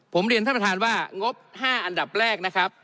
ผมเรียนท่านประธานว่างบ๕อันดับแรกนะครับ